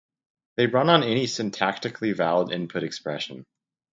they run on any syntactically valid input expression